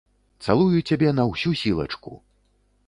Цалую цябе на ўсю сілачку.